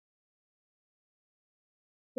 خاوره د افغانانو د ژوند طرز اغېزمنوي.